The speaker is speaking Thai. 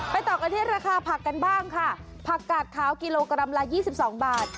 ต่อกันที่ราคาผักกันบ้างค่ะผักกาดขาวกิโลกรัมละ๒๒บาท